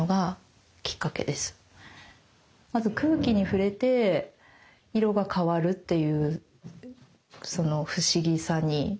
まず空気に触れて色が変わるっていうその不思議さに魅了されて。